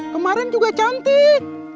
kemarin juga cantik